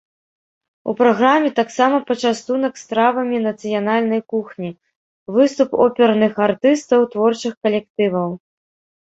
У праграме таксама пачастунак стравамі нацыянальнай кухні, выступ оперных артыстаў, творчых калектываў.